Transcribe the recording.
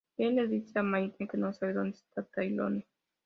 Él le dice a Mayhem que no sabe dónde está Tyrone.